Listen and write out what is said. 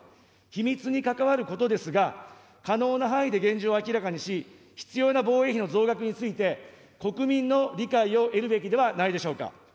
秘密に関わることですが、可能範囲で現状を明らかにし、必要な防衛費の増額について、国民の理解を得るべきではないでしょうか。